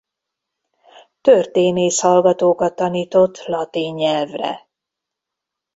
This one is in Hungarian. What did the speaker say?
Történész hallgatókat tanított latin nyelvre.